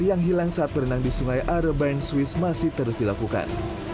yang hilang saat berenang di sungai arabain swiss masih terus dilakukan